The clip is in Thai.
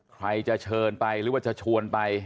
ใครจะเชิญไปหรือว่าจะชวนไป